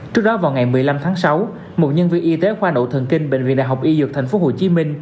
trước đó vào ngày một mươi năm tháng sáu một nhân viên y tế khoa nội thần kinh bệnh viện đại học y dược tp hcm